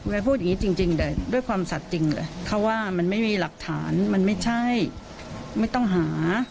พูดอย่างนี้จริงแต่ด้วยความสัตว์จริงเลยเขาว่ามันไม่มีหลักฐานมันไม่ใช่ไม่ต้องหา